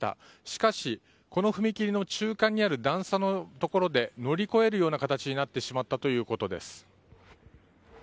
しかし、この踏切の中間にある段差のところで乗り越えるような形になってしまったということです。